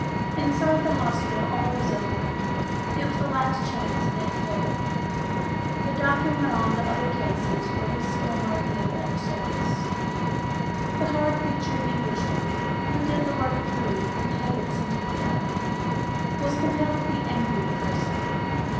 Inside the hospital all was over. It was the last chance and it had failed. The doctor went on to other cases where his skill might be of better service. The hard featured Englishwoman, who did the work of three and hated sentimentality, was compelled to be angry with herself.